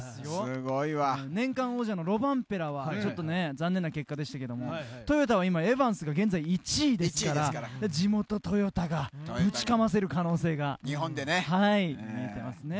年間王者のロバンペラはちょっと残念な結果ですがトヨタは今、エバンスが現在１位ですから地元トヨタがぶちかませる可能性が見えてますね。